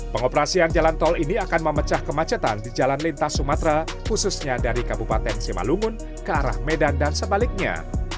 pengoperasian jalan tol ini akan memecah kemacetan di jalan lintas sumatera khususnya dari kabupaten simalungun ke arah medan dan sebaliknya